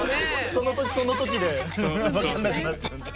その時その時でわかんなくなっちゃうんだ。